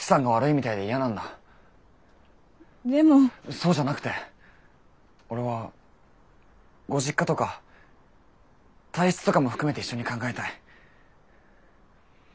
そうじゃなくて俺はご実家とか体質とかも含めて一緒に考えたい。